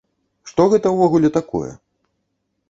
Што гэта ўвогуле такое?